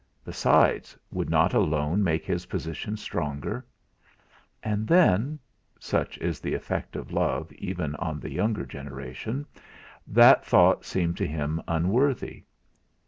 Besides, would not a loan make his position stronger? And then such is the effect of love even on the younger generation that thought seemed to him unworthy.